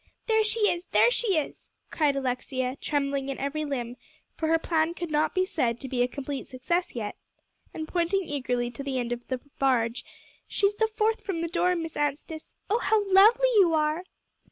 "There she is; there she is," cried Alexia, trembling in every limb, for her plan could not be said to be a complete success yet, and pointing eagerly to the end of her barge; "she's the fourth from the door, Miss Anstice. Oh, how lovely you are!"